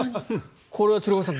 これは鶴岡さん